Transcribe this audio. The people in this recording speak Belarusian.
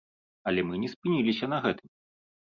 Але мы не спыніліся на гэтым.